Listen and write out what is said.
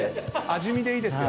味見でいいですよ。